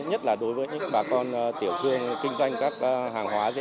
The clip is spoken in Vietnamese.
nhất là đối với những bà con tiểu thương kinh doanh các hàng hóa dễ